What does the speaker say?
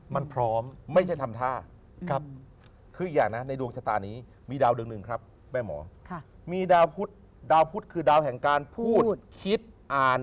มันพร้อมไม่ใช่ทำท่า